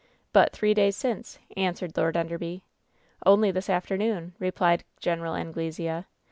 "But three days since," answered Lord Enderby. "Only this afternoon," replied Gten. Anglesea.